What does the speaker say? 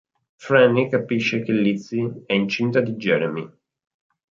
Franny capisce che Lizzie è incinta di Jeremy.